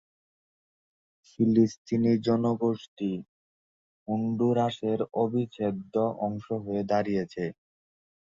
ফিলিস্তিনী জনগোষ্ঠী হন্ডুরাসের অবিচ্ছেদ্য অংশ হয়ে দাঁড়িয়েছে।